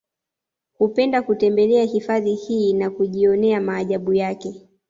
Hupenda kutembelea hifadhi hii na kujionea maajabu yake